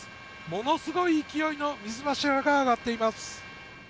ものすごい勢いの水柱が上がっています。